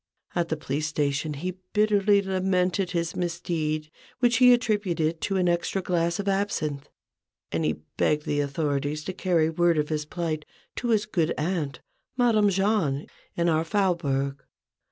At the police station he bitterly lamented his misdeed, which he attributed to an extra glass of absinthe, and he begged the authorities to carry word of his plight to his good aunt, Madame Jahn, in our Faubourg.